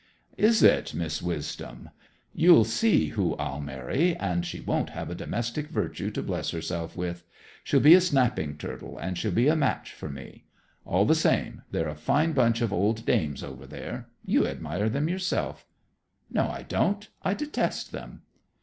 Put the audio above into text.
"Is it, Miss Wisdom? You'll see who I'll marry, and she won't have a domestic virtue to bless herself with. She'll be a snapping turtle, and she'll be a match for me. All the same, they're a fine bunch of old dames over there. You admire them yourself." "No, I don't; I detest them."